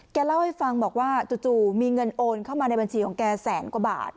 แกเล่าให้ฟังบอกว่าจู่มีเงินโอนเข้ามาในบัญชีของแกแสนกว่าบาท